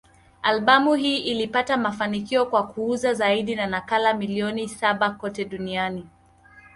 Albamu hii ilipata mafanikio kwa kuuza zaidi ya nakala milioni saba kote duniani.